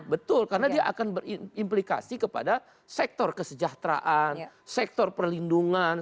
betul karena dia akan berimplikasi kepada sektor kesejahteraan sektor perlindungan